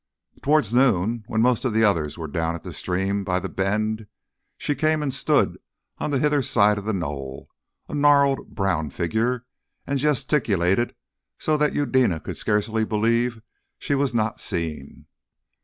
Towards noon, when most of the others were down at the stream by the bend, she came and stood on the hither side of the knoll, a gnarled brown figure, and gesticulated so that Eudena could scarce believe she was not seen.